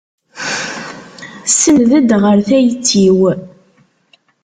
Senned-d ɣer tayet-iw.